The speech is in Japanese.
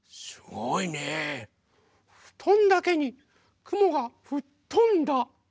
ふとんだけにくもがふっとんだ。